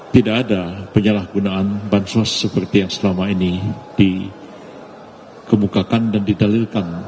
tidak ada penyalahgunaan bansos seperti yang selama ini dikemukakan dan didalilkan